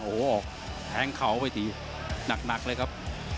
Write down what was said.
โหแพ้งเขาไปตีหนักเลยครับ